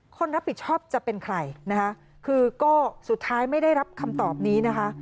คนรับผิดชอบจะเป็นใครนะคะคือก็สุดท้ายไม่ได้รับคำตอบนี้นะคะ